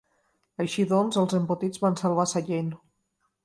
Així doncs, els Embotits van salvar Sallent.